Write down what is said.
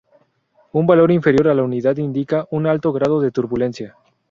Un valor inferior a la unidad indica un alto grado de turbulencia.